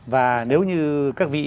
và nếu như các vị